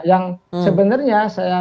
yang sebenarnya saya